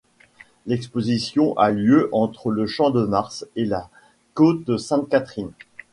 L'exposition a lieu entre le Champ-de-Mars et la côte Sainte-Catherine.